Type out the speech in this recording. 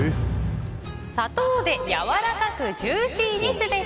砂糖で柔らかくジューシーにすべし。